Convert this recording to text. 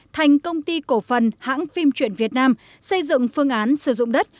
thành công ty cổ phần hãng phim truyện việt nam xây dựng phương án sử dụng đất